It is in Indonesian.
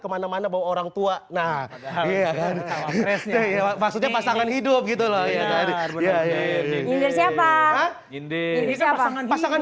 kemana mana bawa orangtua nah maksudnya pasangan hidup gitu loh ya dari ya ya ini siapa ini pasangan